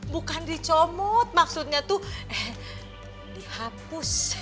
bukan dicomot maksudnya tuh dihapus